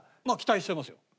まあ期待してますよ。